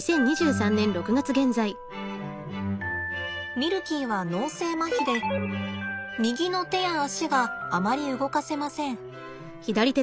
ミルキーは脳性まひで右の手や足があまり動かせません。